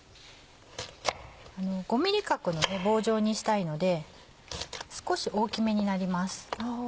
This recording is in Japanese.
５ｍｍ角の棒状にしたいので少し大きめになります。